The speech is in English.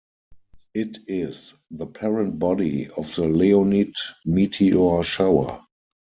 It is the parent body of the Leonid meteor shower.